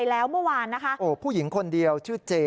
แล้วเมื่อวานนะคะโอ้ผู้หญิงคนเดียวชื่อเจ